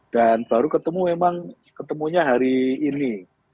dan baru ketemu memang ketemunya hari ini